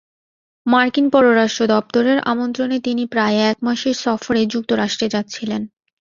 মার্কিন পররাষ্ট্র দপ্তরের আমন্ত্রণে তিনি প্রায় এক মাসের সফরে যুক্তরাষ্ট্রে যাচ্ছিলেন।